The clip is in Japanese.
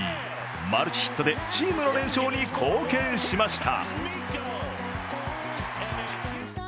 マルチヒットでチームの連勝に貢献しました。